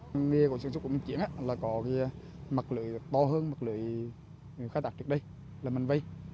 ngân nghề sản xuất của công ty băng chiến có mặt lưới to hơn mặt lưới khai tạc trước đây là mặt vây